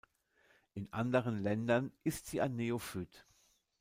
In anderen Ländern ist sie ein Neophyt.